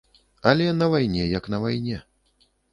Але на вайне як на вайне.